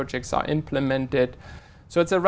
về cách tôi cảm thấy ở đây